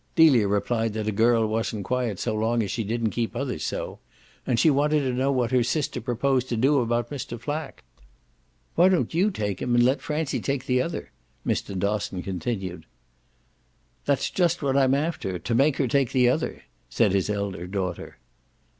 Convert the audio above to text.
Delia replied that a girl wasn't quiet so long as she didn't keep others so; and she wanted to know what her sister proposed to do about Mr. Flack. "Why don't you take him and let Francie take the other?" Mr. Dosson continued. "That's just what I'm after to make her take the other," said his elder daughter.